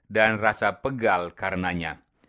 dan rasa pegal karenanya